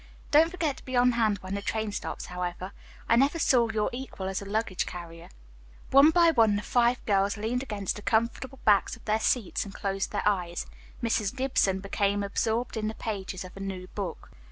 Don't forget to be on hand when the train stops, however. I never saw your equal as a luggage carrier." One by one the five girls leaned against the comfortable backs of their seats and closed their eyes. Mrs. Gibson became absorbed in the pages of a new book.